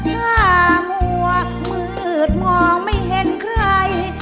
ตาหัวมืดมองไม่เห็นใคร